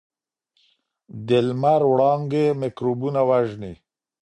د لمر وړانګې میکروبونه وژني.